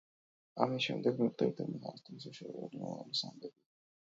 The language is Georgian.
ამის შემდეგ მიხვდებით, რომ ეს არცთუ ისე შორეული მომავლის ამბებია.